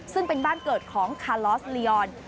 ซึ่งเป็นบ้านเกิดของคาลอสลียอน